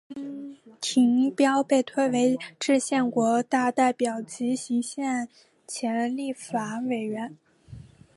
丁廷标被推为制宪国大代表及行宪前立法委员。